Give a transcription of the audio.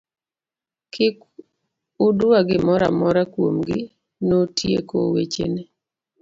Kik udwa gimoro amora kuom gi, notieko weche ne.